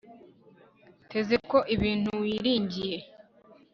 teze ko ibintu wiringiye